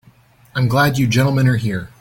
I'm glad you gentlemen are here.